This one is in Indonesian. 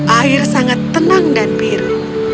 air sangat tenang dan biru